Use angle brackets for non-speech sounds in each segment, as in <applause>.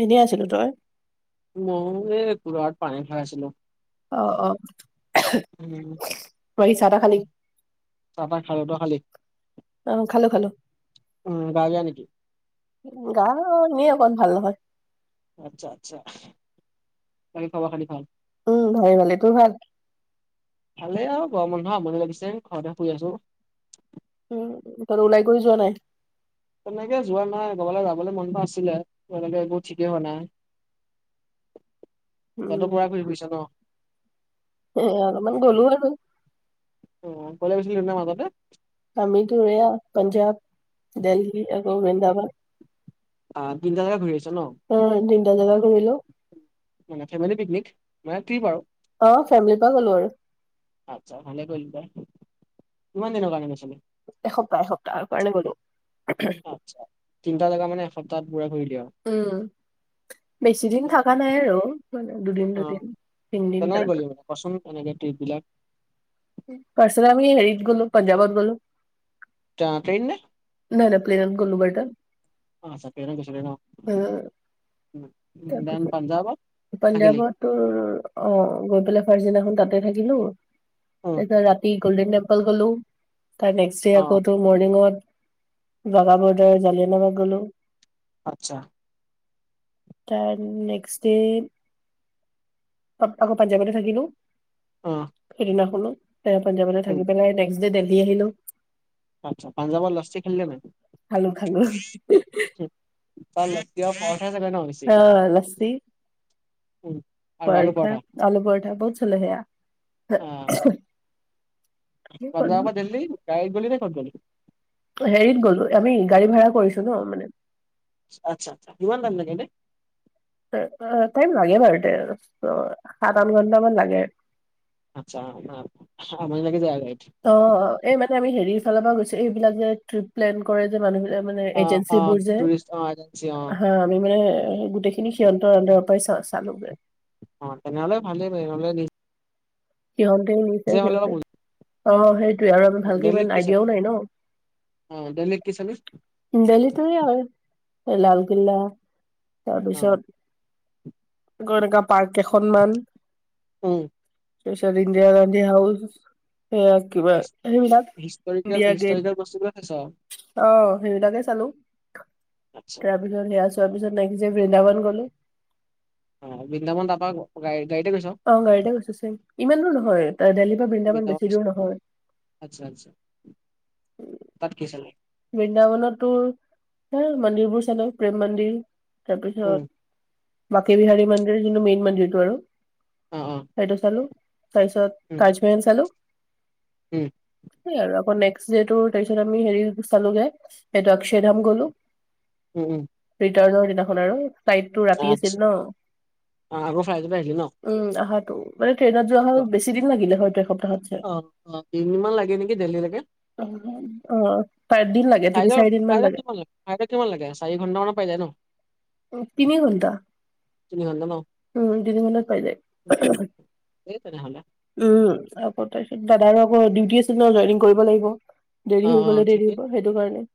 এনেই আছিলো, তই? মও এ কুলাৰত পানী ভৰাই আছিলো। অ, অ। উম। বাকী চাহ-তাহ খালি? চাহ-তাহ খালো, তই খালি? অ খালো, খালো। উম গা বেয়া নেকি? গা এনেই অকণ ভাল নহয়। আচ্ছা, আচ্ছা। বাকী খবৰ-খাতি ভাল? উম ভালে, ভালে। তোৰ ভাল? ভালে আৰু গৰম বন্ধ আমনি লাগিছে, ঘৰতে শুই আছোঁ। উম, কতো ওলাই কৰি যোৱা নাই? তেনেকে যোৱা নাই, ক'ৰবালৈ যাবলৈ মনটো আছিলে <unintelligible> এইবোৰ ঠিকেই হোৱা নাই। তহতৰ উম পোৰা <unintelligible> ফুৰিছ ন? অ', অলপমান <unintelligible> দেখোন অ', <unintelligible> মাজতে। আমিতো এয়া পঞ্জাব, দেলহি আৰু বৃন্দাবাদ। অ', তিনিটা জেগা ঘূৰি আহিচ ন? অ', তিনিটা জোগা ঘূৰিলোঁ। মানে ফেমিলি পিকনিক, মানে ট্ৰিপ আৰু? অ', ফেমিলিৰ পৰা গ'লো আৰু। আচ্ছা ভালে কৰিলি তাই, কিমান দিনৰ কাৰণে গৈছিলি? এসপ্তাহ-এসপ্তাহ কাৰণে গলোঁ। আচছা। তিনিটা জাগা মানে এসপ্তাহত পোৰা ঘূৰিলি আৰু? উম। বেছি দিন থকা নাই আৰু মানে অ দুদিন-দুদিন, তিনদিন কেনেকে কেনেকা। গ'লি মানে কচোন কেনেকে ট্ৰিপ বিলাক? তাৰপিছত আমি হেৰিত গ'লোঁ, পঞ্জাৱত গ'লোঁ। অ', ট্ৰেইন নে? নাই-নাই, প্লেনত গ'লোঁ বাৰু তাত। অ', আচ্চা। প্লেনত গুচি গলি ন? অ', দেন তাৰপিছত পাঞ্জাবত, থাকিলি? পাঞ্জাৱত তোৰ অ', গৈ পেলাই ফাৰ্চদিনাখন তাতে থাকিলোঁ, অ তাৰপিছত ৰাতি গ'ল্ডেন টেম্পল গ'লোঁ, তাৰ নেক্স ডে আকৌ তোৰ মৰ্ণিঙত দাদা-বৌ দৰে জলিয়ানাবাঘ গ'লোঁ। আচ্ছা। দেন নেক্স ডে আকৌ পাঞ্জাৱতে থাকিলোঁ। উম। সেইদিনা শুলোঁ, <unintelligible> পাঞ্জাবতেই থাকি পেলাই নেক্স দিল্লী আহিলোঁ। আচ্ছা, পাঞ্জাবৰ লচ্ছি খালিনে নাই? খালোঁ-খালোঁ। তাত লচ্চি আৰু পৰথাই চাগে ন বেছি? অ', লচ্চি। ক <inaudible> পৰঠা, আলু পৰঠা বহুত চলে সেয়া। পঞ্জাবৰ দিল্লী গাড়ীত গ'লি নে ক'ত গ'লি? হেৰিত গ'লোঁ, আমি গঢি ভাড়া কৰিছোঁ ন' মানে। আচ্ছা-আচ্ছা। কিমান দাম <unintelligible> এনেই? অ, টাইম লাগে বাৰু দেই অ, সাত, আঠ ঘন্টামান লাগে। আচ্ছা। মানে আমনি লাগি যাই গঢ়িত? অ', এই মানে আমি হেৰিৰ ফালৰ পৰা গৈছিলোঁ, এইবিলাক যে ট্ৰিপ- প্লেন কৰে যে মানুহ বিলাকে মানে অ অ এজেন্সী বোৰ যে? টুৰিষ্ট অ এজেঞ্চি অ হা আমি মানে গোটেইখিনি সিহঁতৰ আন্দাৰৰ পৰাই চা চালোঁ গৈ। অ', তেনেহ'লে ভালেই বাৰু নহলে নিজ <unintelligible> নিচে অলপ সিহঁতে <unintelligible> আৰু আমাৰ ভালকে দিল্লীত ইমান কি চালি আইডিয়াও নাই ন? অ দিল্লীত কি চালি দিল্লী <unintelligible> লালকিল্লা অ তাৰপিছত, আকৌ এনেকুৱা পাৰ্ক কেইখনমান। উম। তাৰ পিছত ইন্দিৰা গান্ধী হাউচ, সেয়াই কিবা সেইবিলাক, হিষ্টৰিকেল ইণ্ডিয়া হিষ্টৰিকেল গেট, বস্তুবিলাক চাইছ অ', সেইবিলাকে চালোঁ। আচ্ছা। ইয়া চোৱাৰ পিছত নেক্সট দে বৃন্দাবন গ'লোঁ। অ', বৃন্দাবন তাৰ পৰা গাড়ীতে গৈছ? অ', গাড়ীতে গৈছোঁ চেম, ইমান দূৰ নহয় তাৰ দিল্লী পৰা বৃন্দাবন বেছি দূৰ নহয়। আচ্ছা-আচ্ছা। তা'ত কি চালি? বৃন্দাবনতো টোৰ সেই মন্দিৰবোৰ চালোঁ, প্ৰেম মন্দিৰ, উম তাৰপিছত- বাকী <unintelligible> মন্দিৰ যোনটো মেইন মন্দিৰটো আৰু, অ অ সেইটো চালোঁ। তাৰপিছত উম তাজমেহেল চালোঁ। উম। সেইয়াই আৰু। আকৌ নেক্স ডেটত টোৰ তাৰপিছত আমি হেৰি চালোঁ গে সেইটো অক্ষয় ধাম গ'লোঁ। উম-উম। ৰিটাৰ্নৰ দিনাখন আৰু ফ্লাইটটো ৰাতি আছিল আচ্ছা ন? আ, আকৌ ফ্লাইটতে আহিলি ন উম আহাতো। মানে ট্ৰেইনত যোৱা তো, হ'লে বেছি দিন লাগিলে হয়তো এসপ্তাহত ছে। অ', অ', তিনি দিনমান লাগে নেকি দিল্লী লৈকে? উম অ', <unintelligible> দিন লাগে, ফ্লাইটত তিনি-চাৰিদিন মান ফ্লাইটত লাগে। কিমান ফ্লাইটত কিমান লাগে, চাৰি ঘণ্টা মানত পাই যায় ন? উম, তিনি ঘন্টা। তিনি ঘন্টা ন উম, তিনি ঘণ্টাত পাই যায়। এই তেনেহ'লে উম, আকৌ তাৰপিছত দাদাৰ আকৌ ডিউটি আছিল নহয়, জইনিং কৰিব লাগিব। অ দেৰি হৈ গ'লে দেৰি হ'ব সেইটো কাৰণে।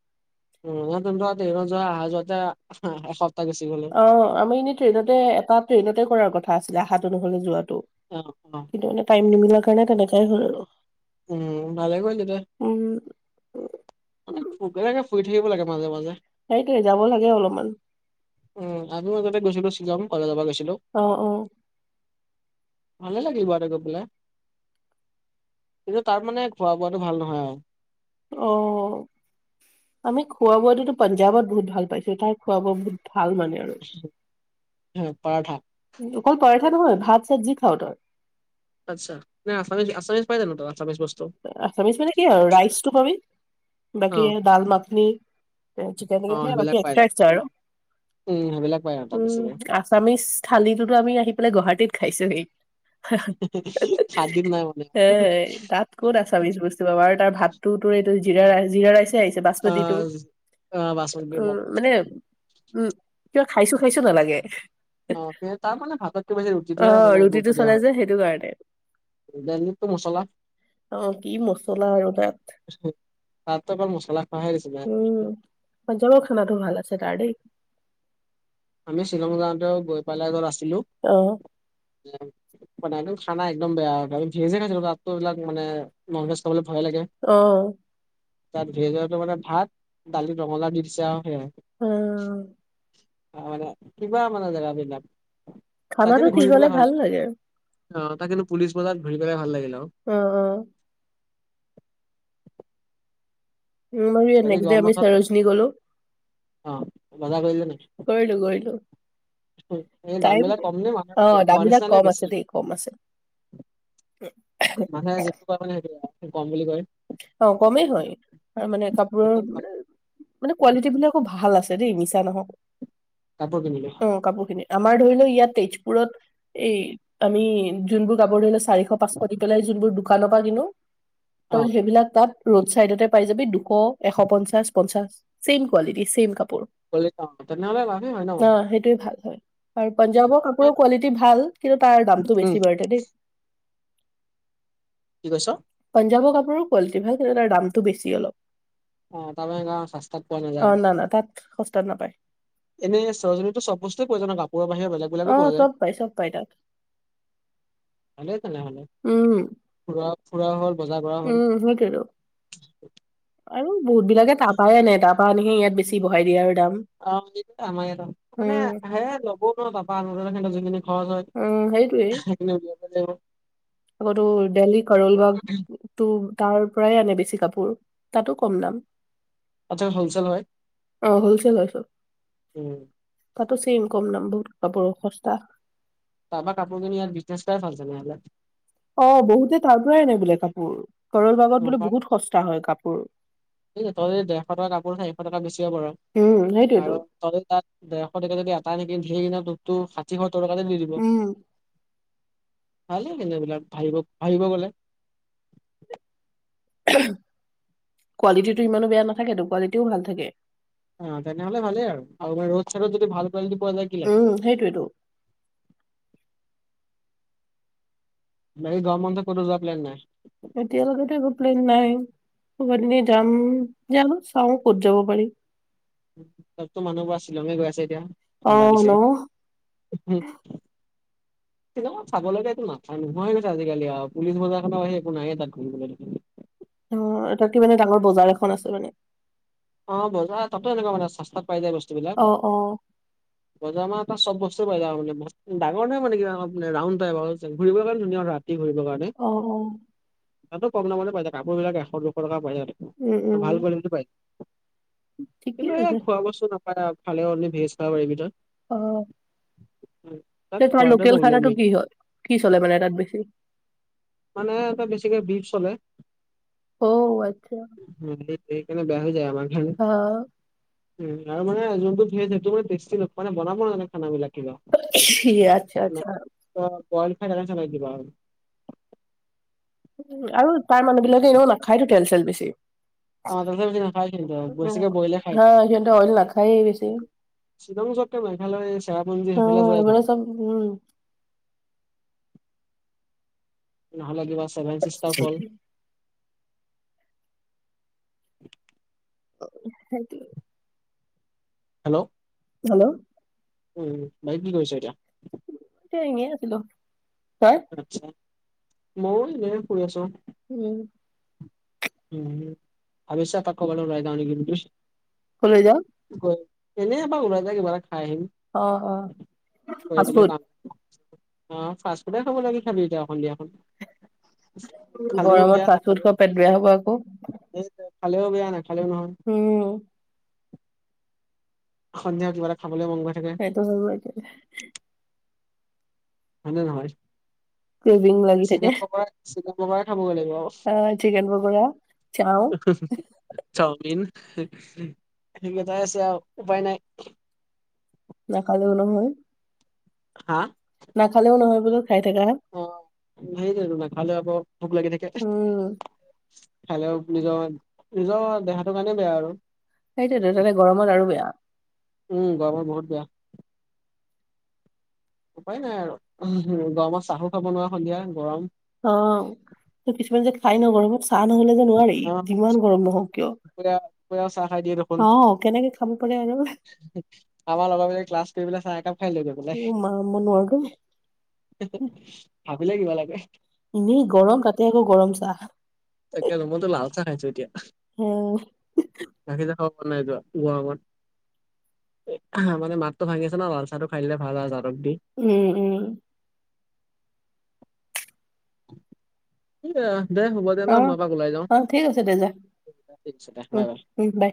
উম। দুবাৰ, তিনিবাৰ যোৱা অহা যোৱাতে এসপ্তাহ গুচি গ'ল গৈ। অ', আমি এনেই ট্ৰেইনতে, এটা ট্ৰেইনতে কৰাৰ কথা আছিলে আহাটো ন'হলে যোৱাটো। অ', অ'। কিন্তু মানে টাইম নিমিলাৰ কাৰণে তেনেকেই আহিলোঁ আৰু। উম, ভালে কৰিল দে। উম। মানে <unintelligible> ফুৰি থাকিব লাগে মাজে-মাজে। সেইটোয়ে যাব লাগে অলপমান। উম, আমিও তা'তে গৈছিলোঁ শিলং, কলেজৰ পৰা গৈছিলোঁ। অ', অ', ভালেই লাগিল বাৰু তাতে গৈ পেলাই। কিন্তু তাৰ মানে খোৱা-বোৱাটো ভাল নহয় আৰু। অ', অ'। আমি খোৱা বোৱাতটো পাঞ্জাৱত বহুত ভাল পাইছোঁ, তাৰ খোৱা বোৱা বহুত ভাল মানে আৰু। উম, পৰাঠা? অকল পৰঠা নহয়, ভাত চাত যি খাওঁ তই। আচ্ছা আছামিছ-আছামিছ পাই জানোঁ তাত আছামিছ বস্তু? আছামিছ মানে কি আৰু ৰাইচ টো পাবি। অ বাকী ডাল মাখনি চিকেন অ <unintelligible> বাকি সেইবিলাক পাই তাত এক্সট্ৰা-এক্সট্ৰা আৰু। উম উম সেইবিলাক পায় আৰু তাত বেছিকে। আছামিছ থালিটোতো আমি আহি পেলাই গুৱাহাটীত খাইছোহি। খাদ্যত <unintelligible> নাই মানে এ তাত ক'ত আছামিছ বস্তু পাবা আৰু তাৰ ভাতটোতো তোৰ এইটো জিৰা ৰাইচ জিৰা ৰাইচ তে আহিছে অ বাচমতিটো, অ বাচমতি ভাত উম মানে উম, কিবা খাইছো খাইছো নালাগে। অ তাত মানে ভাততকে বেছি ৰুটিটোৱে অ' মানে ৰুটিটো গুৰুত্ব দিয়া চলে হয়। যে সেইটো কাৰণে। দালিতটো মছলা অ কি মছলা আৰু তাত। তাতটো অকল মছলা খোৱাহে নিচিনা। পঞ্জাৱৰ খানাতো ভাল আছে তাৰ দেই। আমি শ্বিলং যাওঁতেও গৈ পেলাই যত আছিলো অ। <unintelligible> মানে একদম খানা একদম বেয়া। আমি ভেজে খাইছিলো। তাতটো এইবিলাক মানে নন ভেজ খাবলে ভয়ে লাগে। অ। তাত ভেজৰটো মানে ভাত, দালিত ৰঙালাও দি দিছে আৰু সেয়াই। অ। আ মানে কিবা মানে জেগাবিলাক। তাত খানাটো কিন্তু ঠিক ঘূৰি হ'লে পেলাই ভাল লা, লাগে। অ তাত কিনো পুলিচ বজাৰত ঘূৰি পেলাই ভাল লাগিলে আও। অ, অ। উম, আমাৰ ইয়াত বাকী নেক্স দে গৰম আমি বন্ধত চৰজনী গ'লো। অ বজাৰ কৰিলে <unintelligible> নেকি <unintelligible> কৰিলো। এই দাম টাইম, বিলাক কম নে অ মানুহে কোৱা দামবিলাক নিচিনা নে কম আছে বেছি দেই, কম আছে। উম। মানুহে <unintelligible> মানে সেইটো কম বুলি কয়। অ কমেই হয় আৰু মানে কাপোৰৰ মানে কোৱালিটিবিলাকো ভাল আছে দেই। মিছা নহওক, কাপোৰ কিনিলো অ কাপোৰখিনিৰ। আমাৰ ধৰি লোৱা ইয়াত তেজপুৰত এই আমি যোনবোৰ কাপোৰ ধৰি লোৱা চাৰিশ, পাঁচশ দি পেলাই যোনবোৰ দোকানৰ পৰা কিনো অ তই সেইবিলাক তাত ৰোড চাইডতে পাই যাবি। দুশ, এশ পঞ্চাছ, পঞ্চাছ। ছেম কোৱালিটি, ছেম কাপোৰ। কলে অ তেনেহলে লাভেই হয় ন অ সেইটোৱে ভাল হয়। আৰু পঞ্জাৱৰ কাপোৰৰ কোৱালিটি ভাল, কিন্তু তাৰ দামটো উম বেছি বাৰু তা দেই। কি কৈছ? পঞ্জাৱৰ কাপোৰো কোৱালিটি ভাল, কিন্তু তাৰ দামটো বেছি তাৰমানে গাঁও ৰাস্তাত পোৱা অলপ। অ নাযায় না, না। তাত সস্তাত নাপায়। এনে চৰোজনীতটো চব বস্তুৱে পোৱা যায় ন। কাপোৰৰ বাহিৰে বেলেগ বিলাকো অ পোৱা যায়, চব পাই চব পাই তাত ভালেই তেনেহ'লে। উম ফুৰা ফুৰাও হ'ল, বজাৰ কৰাও হ'ল। উম সেইটোৱেটো আৰু বহুতবিলাকে তাৰপাই আনে। তা পা আনি সে ইয়াত বেছি বঢ়াই দিয়ে আৰু দাম। অ আমাৰ ইয়াত অ মানে উম। আহে <unintelligible> সেহেতৰ যোনখিনি খৰচ হয়। উম সেইটোৱেই। থাকিলে উলিয়াব যাব। আকৌটো দেলহী কৰলবাগ টো তাৰ পৰাই আনে বেছি কাপোৰ। তাতো কম দাম। তাত হ'লচেল হয় হোলছেল লৈছোঁ। উম তাতো চেইম, কম দাম বহুত কাপোৰো সস্তা। তাপা কাপোৰ কিনি ইয়াত বিজনেছ কৰাই ভাল তেনেহলে। অ', বহুতে তাৰ পৰাই আনে বোলে কাপোৰ, কৰল অ, বাগত বোলে পাৰ বহুত সস্তা হয় কাপোৰ। এই তই ডেৰশ টকা কাপোৰ চাৰিশ টকাত বেছিব পাৰ। উম, সেইটোৱেতো তহঁতৰ' তাত ডেৰশ টকীয়া যদি আটাই অনি <unintelligible> তোক টো যি <unintelligible> দি দিব, উম, ভালেই তেন্তে এইবিলাক, ভাবিব-ভাবিব গলে। কোৱালিটিটো ইমানো বেয়া নাথাকেতো কোৱালিটিও ভাল থাকে। অ', তেনেহলে ভালেই আৰু <unintelligible> ৰদ চাইডত যদি ভাল কোৱালিট পোৱা যায় কি লাগে উম, সেইটোয়েইটো। বাকি গৰম বন্ধত কতো যোৱা প্লেন নাই? এতিয়ালৈকেতো একো প্লেন নাই, কোৱাত এনেই যাম, জানোঁ চাও ক'ত যাব পাৰি। চ'ব টো মানুহ পুৰা শ্বিলঙে গৈ আছে এতিয়া, ঠাণ্ডা অ', বিচাৰি। ন। উম। শ্বিলং অত চাব লগীয়া একো নাথাকে নোহোৱা হৈ গৈছে আজিকালি আও পুলিচ বজাৰখনৰ বাহিৰে একো নাইে তাত ঘূৰিবলে। অ', তাত যে মানে ডাঙৰ বজাৰ এখন আছে মানে। অ', বজাৰ তাতো এনেকুৱা মানে চস্তাত পাই যায় বস্তুবিলাক। অ অ বজাৰ মানে তাত চব বস্তু পাই যাব মানে ডাঙৰহয় মানে কিবা ৰাউণ্ড টাইপ আৰু ঘূৰিব লে কাৰণে ধুনীয়া। কি ঘূৰিব কাৰণে, অ অ তাতো কম দামতে পাই যায় কাপোৰ বিলাক এশ দুশ টকা পাই যায়। উম উম আৰু ভাল কোৱালিটিৰ পাই। <unintelligible> কিন্তু এই আছে খোৱা বস্তু নাপায় আৰু খালে অনলি ভেজ খাব পাৰিবি ভিতৰত। অ', তোমাৰ খোৱাতে লোকেল প্ৰব্লেম খানাটো মেইন কি হয়, কি চলে মানে তাত বেছি? মানে তাত বেছিকে বিফ চলে। অ', আচ্ছা। এই সেইকাৰনে বেয়া হৈ যায় আমাৰ কাৰণে। অ উম আৰু মানে যোনটো ভেজ হেটো মানে টেষ্টি মানে বনাব নাজানে খানা বিলাক কিবা। আচ্ছা-আচ্ছা। ত <unintelligible> আৰু। উম, আৰু তাৰ মানুহ বিলাকে এনেও নাখায়তো তেল চেল বেছি। অ', তেল চেল বেছি নাখাই কিন্তু বেছিকে বইল এ খাই। অ', সিহঁতে অইল নাখাইয়ে বেছি। শ্বিলং যোৱাত কৈ মেঘালয় চেৰাপুঞ্জি অ সেইফালে যোৱাই মানে ভাল। চব উম। নহ'লে কিবা ছেভেন চিষ্টাৰ ফল। <inaudible> হেল্ল'? হেল্ল'? উম, বাকি কৰিছ এতিয়া? এ এনেই আছিলোঁ। তই? আচ্ছা। ময়ো এনে শুই আছোঁ। <unintelligible> উম <unintelligible> তাত খবৰ লবলৈ ওলাই যাওঁ নেকি বুলি। ক'লৈ যাওঁ? এনেই এপাক ওলাই যায় কিবা এটা খাই আহিম। অ, অ ফাৰ্ষ্ট কৰিবলৈ ফুড। কাম অ ফাষ্ট ফুডে খাব লাগে, কি খাবি এতিয়া অ সন্ধিয়াখন। খালেও বেয়া গৰমত ফাষ্টফুড নাখালেও খোৱা পেট বেয়া হ'ব আকৌ। <unintelligible> খালেও বেয়া, নাখালেও নহয়। উম <unintelligible> সন্ধিয়া কিবা এটা খাবলে মন‌ গৈ থাকে। <unintelligible> হ'ব এতিয়া। হয়নে নহয়? কেইদিন লাগ চিকেন পকৰা, চিকেন পকৰাই খাবগে লাগিব আও। আ চিকেন পকৰা, চাও <unintelligible> চাউমিন সে সেকেইটাই আছে আও উপায় নাই। নাকালেও নহয়। হা? নাখালেও নহয় বোলো খাই থাকা। অ সেইটোৱেটো নাখালেও আকৌ ভোক লাগি থাকে। উম খালেও নিজৰ নিজৰ দেহাটোৰ কাৰণে বেয়া আৰু। সেইটোৱেতো তাতে গৰমত আৰু বেয়া। উম, গৰমত বহুত বেয়া। উপায় নাই আৰু উহো গৰমত চাহো খাব নোৱাৰা সন্ধিয়া গৰম। অ কিছুমান যে খাই ন গৰমত। চাহ নহ'লে যে নোৱাৰি অ যিমান গৰম নহওঁক কিয়। দুপৰীয়া দুপৰীয়াও চাহ খাই দিয়ে দেখোন। অ কেনেকে খাব পাৰে আৰু আমাৰ লগৰবিলাকে ক্লাছ কৰি পেলাই চাহ একাপ খাই আহিলে গৈ এ পেলাই। মা মই নোৱাৰো দেই <unintelligible> ভাবিলে কিবা লাগে। এনেই গৰম তাতে আকৌ গৰম চাহ। তাকে মইতো লাল চাহ খাইছো এতিয়া। উম গাখীৰ চাহ খাব মন নাই যোৱা গৰমত। আহ মানে মাতটো ভাঙিছে ন, লাল চাহটো খাই দিলে ভাল আও জালুক দি। উম, উম। কি দে দে হ'ব ন অ মই এপাক যাওঁ। অ ঠিক আছে দে যা ঠিক আছে দে উম বাই বাই। উম বাই।